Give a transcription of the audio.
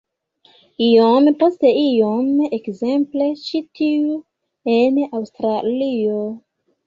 Iom post iom-- ekzemple, ĉi tiu en Aŭstralio.